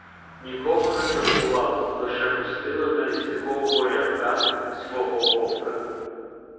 Нікого не турбували, лише пустили на лісникового рябка свого вовка.